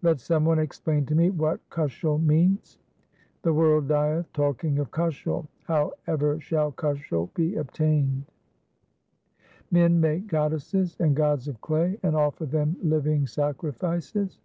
Let some one explain to me what kushal 1 means ; The world dieth talking of kushal ; how ever shall kushal be obtained ? Men make goddesses and gods of clay, and offer them living sacrifices.